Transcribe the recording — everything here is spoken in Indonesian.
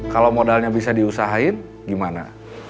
kalau modalnya bisa diusahain gimana